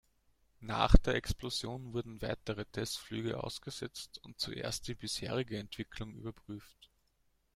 Nach der Explosion wurden weitere Testflüge ausgesetzt und zuerst die bisherige Entwicklung überprüft.